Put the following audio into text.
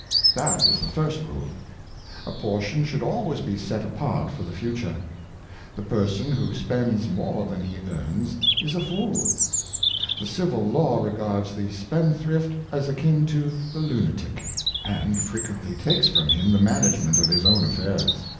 That is the first rule. A portion should always be set apart for the future. The person who spends more than he earns is a fool. The civil law regards the spendthrift as akin to the lunatic, and frequently takes from him the management of his own affairs.